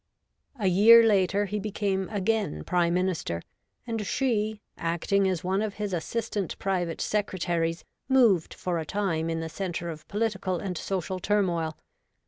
A year later, he became again Prime Minister, and she, acting as one of his assistant private secretaries, moved for a time in the centre of political and social turmoil.